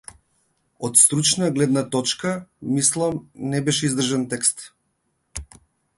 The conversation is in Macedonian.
Од стручна гледна точка, мислам, не беше издржан текст.